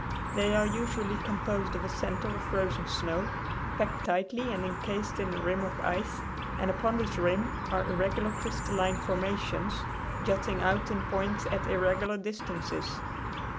They are usually composed of a center of frozen snow, packed tightly and incased in a rim of ice, and upon this rim are irregular crystalline formations jutting out in points at irregular distances.